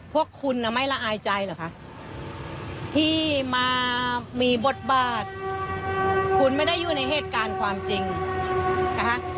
พวกคุณน่ะไม่ละอายใจเหรอคะที่มามีบทบาทคุณไม่ได้อยู่ในเหตุการณ์ความจริงนะคะ